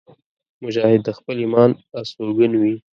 مجاهد د خپل ایمان استوګن وي.